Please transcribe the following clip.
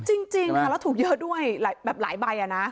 จริงค่ะแล้วถูกเยอะด้วยแบบหลายใบนะ